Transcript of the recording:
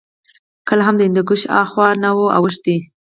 کله هم د هندوکش هاخوا نه وو اوښتي